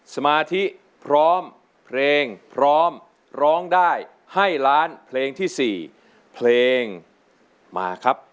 สมาธิพร้อมเพลงพร้อมร้องได้ให้ล้านเพลงที่๔เพลงมาครับ